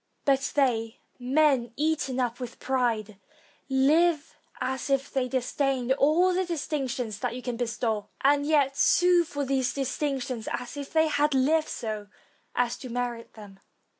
But they, men eaten up with pride, live as if they disdained all the distinctions that you can bestow, and yet sue for those distinctions as if they had Hved so as to merit them.